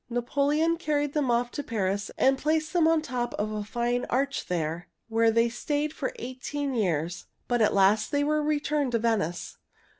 Napoleon carried them off to Paris and placed them on top of a fine arch there, where they stayed for eighteen years, but at last they were returned to Venice.